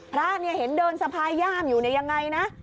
พระเนี่ยเห็นเดินสะพายย่ามอยู่เนี่ยยังไงนะ